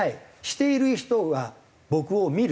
している人が僕を見る。